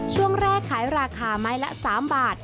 ช่วงแรกขายราคาไม้ละ๓บาท